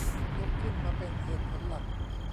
ยกขึ้นมาเป็นเหตุผลหลัก